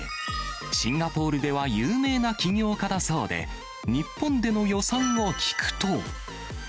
シンガポールでは有名な起業家だそうで、日本での予算を聞くと。